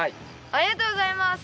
ありがとうございます。